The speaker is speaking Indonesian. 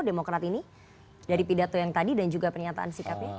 demokrat ini dari pidato yang tadi dan juga pernyataan sikapnya